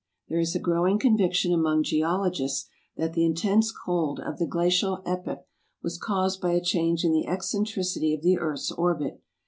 There is a growing conviction among geologists that the intense cold of the Glacial Epoch was caused by a change in the eccentricity of the earth's orbit.